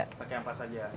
pakai ampelas saja